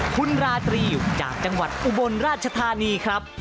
คุณราตรีจากจังหวัดอุบลราชธานีครับ